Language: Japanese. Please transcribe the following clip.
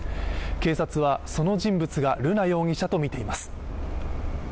警察はその人物が瑠奈容疑者とみています。